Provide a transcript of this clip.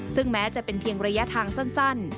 ซึ่งแม้จะเป็นเพียงระยะทางสั้น